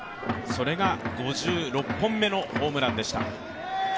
それが５６本目のホームランでした。